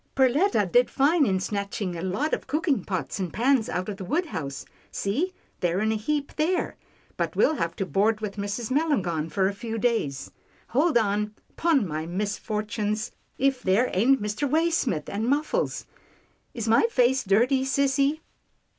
Perletta did fine in snatching a lot of cooking pots and pans out of the wood 'TILDA JANE RECEIVES A SHOCK 259 house — see, they're in a heap there, but we'll have to board with Mrs. Melangon for a few days — Hold on! 'pon my misfortunes, if there ain't Mr. Waysmith and Muffles. Is my face dirty, sissy